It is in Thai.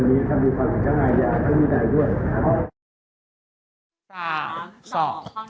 และมีความสุขทางอายะก็มีได้ด้วยนะครับ